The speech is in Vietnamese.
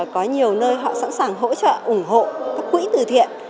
có nhiều nơi họ sẵn sàng hỗ trợ ủng hộ các quỹ từ thiện